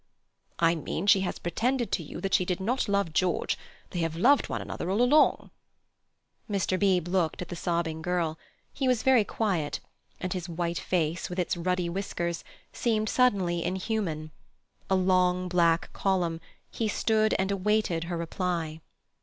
"I mean she has pretended to you that she did not love George. They have loved one another all along." Mr. Beebe looked at the sobbing girl. He was very quiet, and his white face, with its ruddy whiskers, seemed suddenly inhuman. A long black column, he stood and awaited her reply.